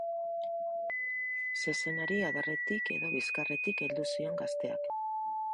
Zezenari adarretik edo bizkarretik heldu zion gazteak.